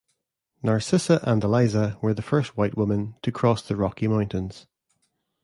Narcissa and Eliza were the first white women to cross the Rocky Mountains.